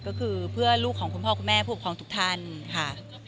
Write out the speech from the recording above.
ก็คือเพื่อลูกของคุณพ่อคุณแม่ผู้ปกครองทุกท่านค่ะ